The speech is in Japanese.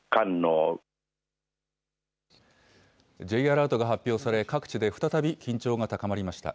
Ｊアラートが発表され、各地で再び緊張が高まりました。